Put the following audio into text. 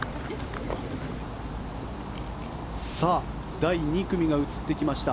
第２組が映ってきました。